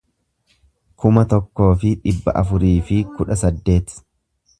kuma tokkoo fi dhibba afurii fi kudha saddeet